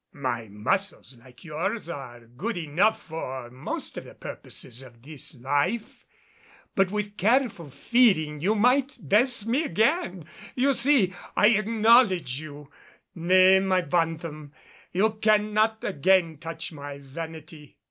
"My muscles, like yours, are good enough for most of the purposes of this life; but with careful feeding you might best me again. You see, I acknowledge you. Nay, my bantam, you cannot again touch my vanity.